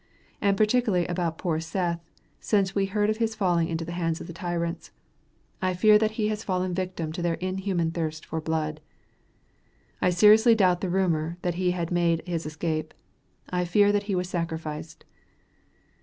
And particularly about poor Seth, since we heard of his falling into the hands of the tyrants. I fear that he has fallen a victim to their inhuman thirst for blood. I seriously doubt the rumor, that he had made his escape. I fear that he was sacrificed.